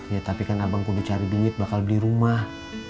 ya tapi kan abang kudu cari duit bakal beli rumah